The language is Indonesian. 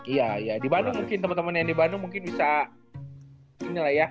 iya ya di bandung mungkin teman teman yang di bandung mungkin bisa ini lah ya